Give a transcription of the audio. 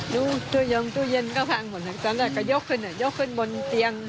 ดูตู้เย็นตู้เย็นก็พังหมดแล้วก็ยกขึ้นบนเตียง